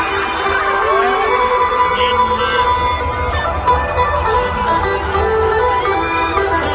ว่าใจไม่ได้ว่าถ้าเป็นภาวะข้าง